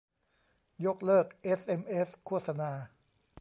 ยกเลิกเอสเอ็มเอสโฆษณา